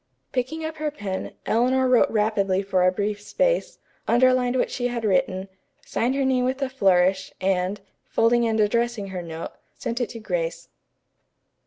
Picking up her pen, Eleanor wrote rapidly for a brief space, underlined what she had written, signed her name with a flourish, and, folding and addressing her note, sent it to Grace.